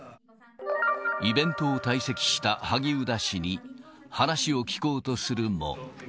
イベントを退席した萩生田氏に、話を聞こうとするも。